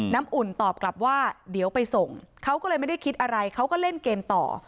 อุ่นตอบกลับว่าเดี๋ยวไปส่งเขาก็เลยไม่ได้คิดอะไรเขาก็เล่นเกมต่อ